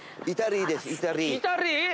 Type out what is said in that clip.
イタリーです。